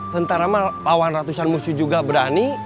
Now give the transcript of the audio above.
tentara lawan ratusan musuh juga berani